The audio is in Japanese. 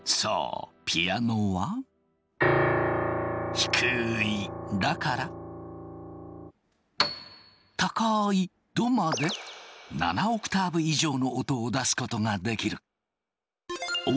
低い「ラ」から高い「ド」まで７オクターブ以上の音を出すことができる。